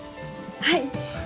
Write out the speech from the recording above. はい！